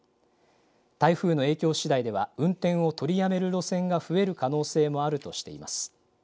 台風の影響しだいでは運転を取りやめる路線が増える可能性もあるとしています。